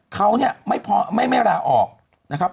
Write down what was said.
เขาเนี่ยไม่ลาออกนะครับ